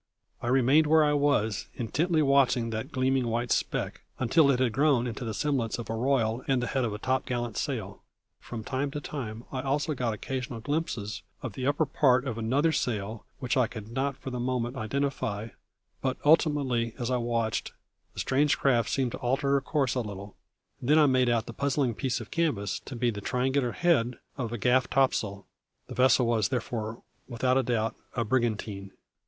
I remained where I was, intently watching that gleaming white speck until it had grown into the semblance of a royal and the head of a topgallant sail. From time to time I also got occasional glimpses of the upper part of another sail which I could not for the moment identify; but ultimately, as I watched, the strange craft seemed to alter her course a little, and then I made out the puzzling piece of canvas to be the triangular head of a gaff topsail; the vessel was therefore, without a doubt, a brigantine.